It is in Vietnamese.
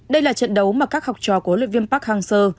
đây là trận đấu mà các học trò của luyện viên park hang seo